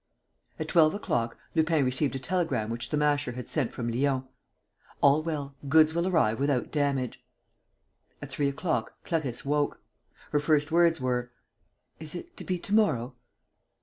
At twelve o'clock Lupin received a telegram which the Masher had sent from Lyons: "All well. Goods will arrive without damage." At three o'clock Clarisse woke. Her first words were: "Is it to be to morrow?"